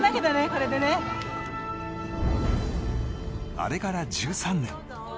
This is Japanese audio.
あれから１３年。